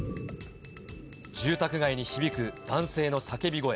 住宅街に響く男性の叫び声。